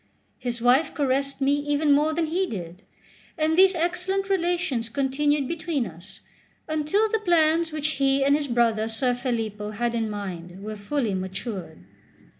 His wife caressed me even more than he did; and these excellent relations continued between us until the plans which he and his brother Ser Filippo had in mind were fully matured.